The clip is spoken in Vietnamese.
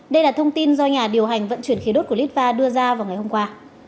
đây là thông tin do nhà điều hành vận chuyển khí đốt của litva đưa ra vào ngày hôm qua